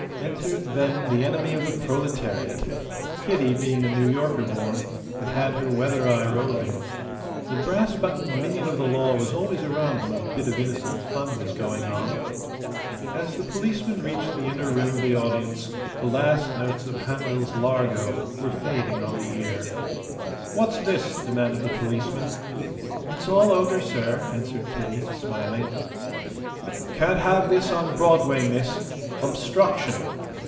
Entered then the enemy of the proletariat. Kitty, being a New Yorker born, had had her weather eye roving. The brass buttoned minion of the law was always around when a bit of innocent fun was going on. As the policeman reached the inner rim of the audience the last notes of Handel's "Largo" were fading on the ear. "What's this?" demanded the policeman. "It's all over, sir," answered Kitty, smiling. "Can't have this on Broadway, miss. Obstruction."